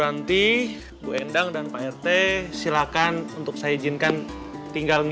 ini mau pada kemana